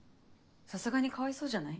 さすがにかわいそうじゃない？